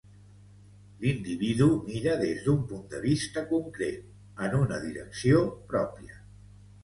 L'individu mira des d'un punt de vista concret, en una direcció pròpia.